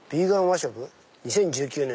「２０１９年